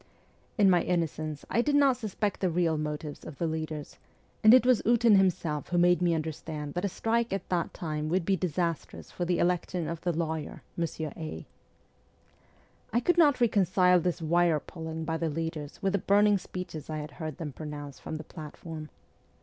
In my innocence I did not suspect the real motives of the leaders, and it was Ootin himself who made me understand that a strike at that time would be disastrous for the election of the lawyer, Monsieur A. I could not reconcile this wire pulling by the leaders with the burning speeches I had heard them pronounce from the platform.